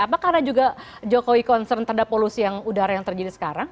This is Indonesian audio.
apa karena juga jokowi concern terhadap polusi yang udara yang terjadi sekarang